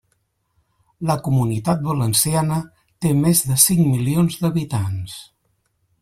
La Comunitat Valenciana té més de cinc milions d'habitants.